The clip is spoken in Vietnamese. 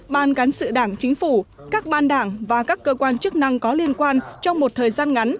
ban cán sự đảng chính phủ các ban đảng và các cơ quan chức năng có liên quan trong một thời gian ngắn